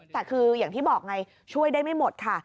แต่คืออย่างที่บอกไงช่วยได้ไม่หมดค่ะ